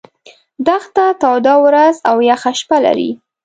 دښته توده ورځ او یخه شپه لري.